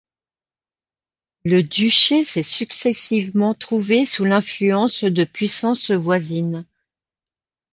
Le duché s'est successivement trouvé sous l'influence de puissances voisines.